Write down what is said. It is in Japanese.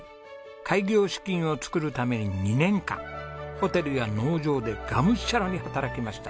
開業資金を作るために２年間ホテルや農場でがむしゃらに働きました。